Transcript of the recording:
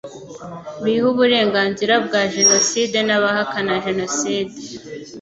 biha uburenganzira bwa jenoside n'abahakana jenoside